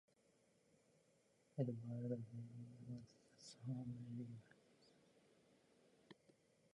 Edward Bernays was the son of Ely Bernays and Anna Freud Bernays.